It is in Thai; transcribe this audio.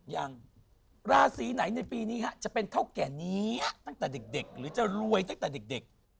ยังราศีไหนในปีนี้จะเป็นเท่าแก่นี้ตั้งแต่เด็กหรือจะรวยตั้งแต่เด็ก